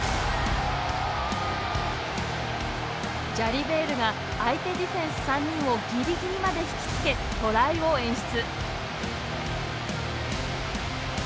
ジャリベールが相手ディフェンス３人をぎりぎりまで引きつけトライを演出